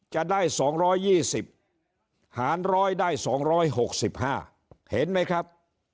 จะได้๒๒๐หาร๑๐๐ได้๒๖๕เห็นไหมครับ